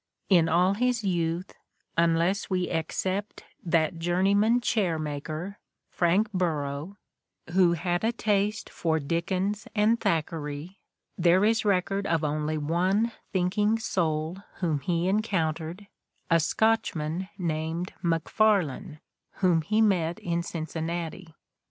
In all his youth, unless we except that journeyman chair maker, Frank Burrough, who 38 The Ordeal of Mark Twain had a taste for Dickens and Thackeray, there is record of only one thinking soul whom he encountered, a Scotchman named Maefarlane, whom he met in Cincin nati.